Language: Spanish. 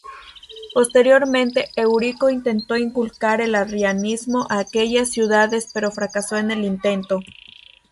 Posteriormente, Eurico intentó inculcar el arrianismo a aquellas ciudades pero fracasó en el intento.